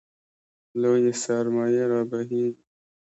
لویې سرمایې رابهېږي.